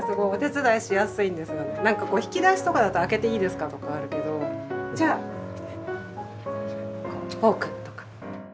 何かこう引き出しとかだと「開けていいですか？」とかあるけどじゃあこうフォークとか。